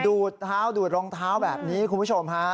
ดูดเท้าดูดรองเท้าแบบนี้คุณผู้ชมฮะ